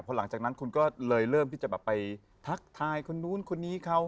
พอหลังจากนั้นคุณก็เลยเริ่มที่จะแบบไปทักทายคนนู้นคนนี้เขา